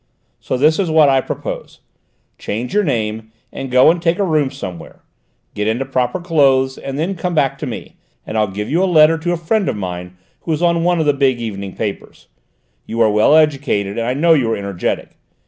So this is what I propose: change your name and go and take a room somewhere; get into proper clothes and then come back to me, and I'll give you a letter to a friend of mine who is on one of the big evening papers. You are well educated, and I know you are energetic.